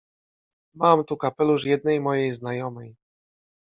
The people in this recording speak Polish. — Mam tu kapelusz jednej mojej znajomej.